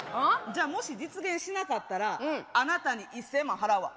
じゃあもし実現しなかったらあなたに１，０００万払うわ。